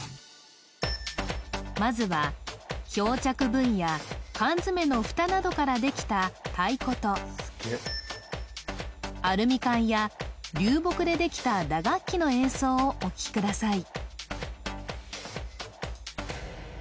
まずは漂着ブイや缶詰のフタなどからできた太鼓とアルミ缶や流木でできた打楽器の演奏をお聴きください